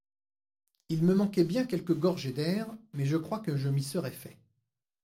Il me manquait bien quelques gorgées d'air, mais je crois que je m'y serais fait.